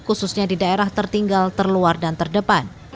khususnya di daerah tertinggal terluar dan terdepan